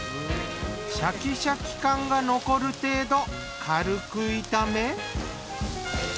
シャキシャキ感が残る程度軽く炒め。